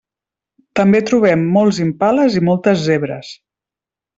També trobem molts impales i moltes zebres.